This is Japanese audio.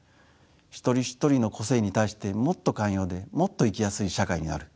一人一人の個性に対してもっと寛容でもっと生きやすい社会になる。